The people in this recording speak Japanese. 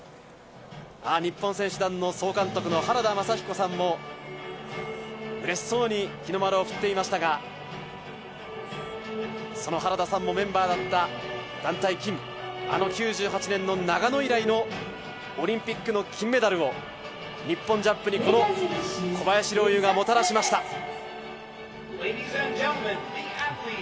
日本選手団の総監督の原田雅彦さんもうれしそうに日の丸を振っていましたが、その原田さんもメンバーだった団体金、あの９８年の長野以来のオリンピックの金メダルを日本ジャンプに、この小林陵侑がもたらしました。